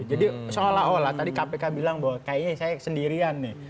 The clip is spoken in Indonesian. jadi seolah olah tadi kpk bilang bahwa kayaknya saya sendirian nih